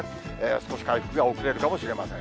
少し回復が遅れるかもしれません。